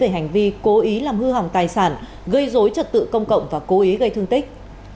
hư hỏng tài sản gây dối trật tự công cộng và cố ý gây thương tích